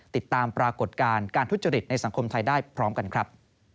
ติดตามปรากฏการณ์การทุจริตในสังคมไทยได้พร้อมกันครับ